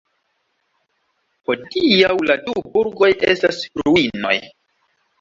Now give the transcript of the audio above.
Hodiaŭ la du burgoj estas ruinoj.